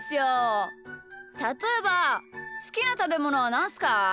たとえばすきなたべものはなんすか？